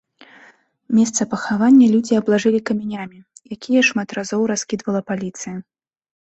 Месца пахавання людзі аблажылі камянямі, якія шмат разоў раскідвала паліцыя.